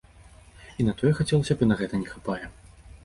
І на тое хацелася б, і на гэта не хапае.